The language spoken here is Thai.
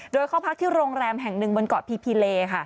โดยเข้าพักที่โรงแรมแห่งหนึ่งบนเกาะพีพีเลค่ะ